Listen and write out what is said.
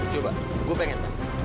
coba gua pengen tau